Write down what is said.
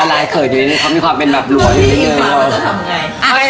เหล่าไลน์เขินมากมายอยู่นี่เขามีความเป็นแบบหลัวอยู่นี่